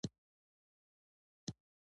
د بندونو درد لپاره د تورې دانې تېل وکاروئ